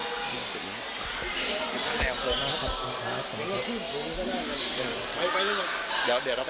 ขอบคุณครับ